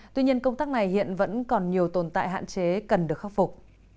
tuy nhiên công tác này hiện vẫn còn nhiều tồn tại hạn chế cần được khắc phục